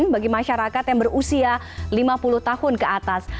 bagi masyarakat yang berusia lima puluh tahun ke atas